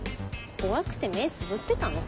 怖くて目つぶってたのか？